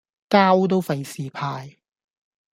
膠都費事派